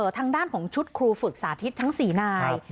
ทางด้านของชุดครูฝึกสาธิตทั้ง๔นาย